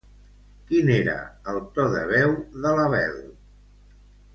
Quin era el to de veu de la Bel?